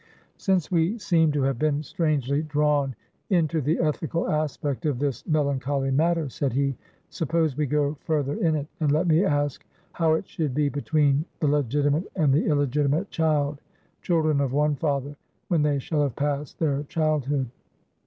"Since we seem to have been strangely drawn into the ethical aspect of this melancholy matter," said he, "suppose we go further in it; and let me ask, how it should be between the legitimate and the illegitimate child children of one father when they shall have passed their childhood?"